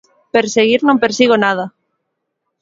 Perseguir non persigo nada.